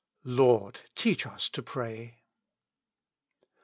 "Lord, teach us to pray."